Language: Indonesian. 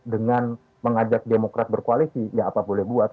dengan mengajak demokrat berkoalisi ya apa boleh buat